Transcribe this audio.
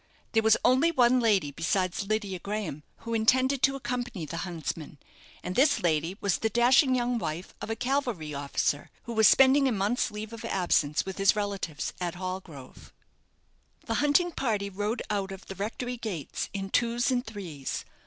There was only one lady besides Lydia Graham who intended to accompany the huntsmen, and this lady was the dashing young wife of a cavalry officer, who was spending a month's leave of absence with his relatives at Hallgrove. The hunting party rode out of the rectory gates in twos and threes.